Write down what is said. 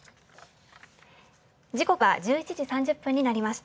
時刻は１１時３０分になりました。